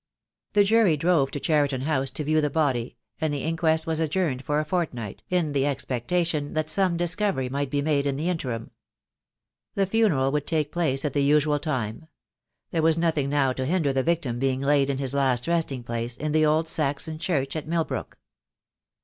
The jury drove to Cheriton House to view the body, and the inquest was adjourned for a fortnight, in the ex pectation that some discovery might be made in the interim. The funeral would take place at the usual time; there was nothing now to hinder the victim being laid in his last resting place in the old Saxon church at Milbrook.